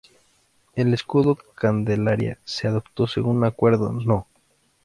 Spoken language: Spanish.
El Escudo de Candelaria se adoptó según acuerdo No.